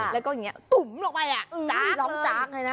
แล้วก็อย่างเงี้ยตุ๋มลงไปอ่ะอยู่ล้อมจ้างเลยน่ะฮะ